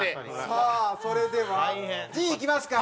さあそれでは陣いきますか？